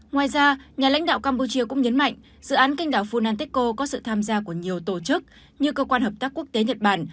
ngoài ra nhà lãnh đạo campuchia cũng nhấn mạnh dự án canh đảo funantechco có sự tham gia của nhiều tổ chức như cơ quan hợp tác quốc tế nhật bản